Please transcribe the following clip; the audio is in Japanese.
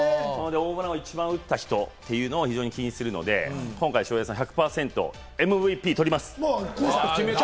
ホームランを一番打った人を気にするので、今回、翔平さんは１００％、ＭＶＰをとります。